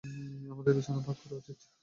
আমাদের বিছানা ভাগ করা উচিত।